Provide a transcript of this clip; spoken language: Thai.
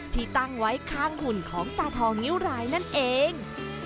ที่ตั้งไว้ข้างหุ่นของตาทองนิ้วรายนั่นเอง